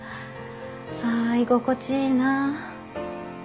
あ居心地いいな